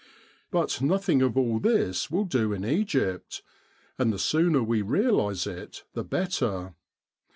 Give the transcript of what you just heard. But nothing of all this will do in Egypt, and the sooner we realise it the better.